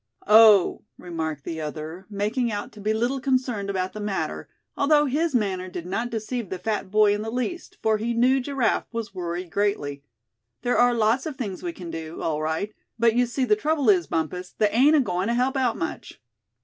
"Oh!" remarked the other, making out to be little concerned about the matter, although his manner did not deceive the fat boy in the least, for he knew Giraffe was worried greatly; "there are lots of things we can do, all right; but you see the trouble is, Bumpus, they ain't agoin' to help out much."